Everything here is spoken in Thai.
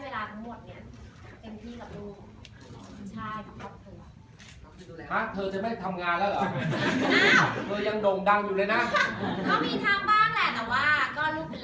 มีทำบ้างนะครับแต่ลูกเป็นหลัก